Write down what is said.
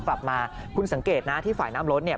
กลับมาคุณสังเกตนะที่ฝ่ายน้ำล้นเนี่ย